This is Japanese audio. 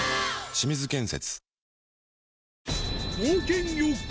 清水建設